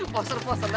poser poser dah